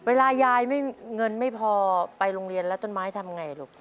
ยายไม่เงินไม่พอไปโรงเรียนแล้วต้นไม้ทำไงลูก